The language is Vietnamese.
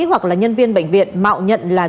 hoặc là nhân viên bệnh viện mạo nhận là